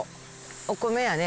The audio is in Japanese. お米やね